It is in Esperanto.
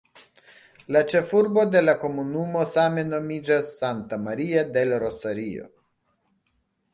La ĉefurbo de la komunumo same nomiĝas "Santa Maria del Rosario".